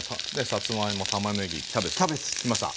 さつまいもたまねぎキャベツときました。